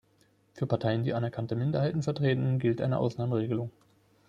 Für Parteien, die anerkannte Minderheiten vertreten, gilt eine Ausnahmeregelung.